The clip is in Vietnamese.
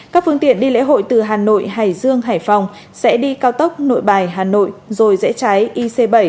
các phương tiện đi lễ hội từ hà nội hải dương hải phòng sẽ đi cao tốc nội bài hà nội rồi rẽ trái ic bảy